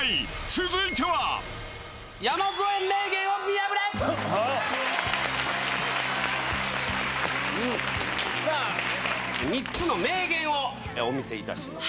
続いては３つの名言をお見せいたします。